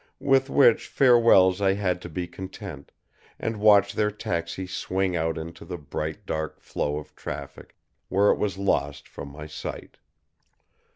With which farewells I had to be content, and watch their taxi swing out into the bright dark flow of traffic where it was lost from my sight.